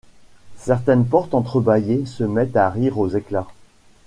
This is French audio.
Certaines portes entrebâillées se mettent à rire aux éclats.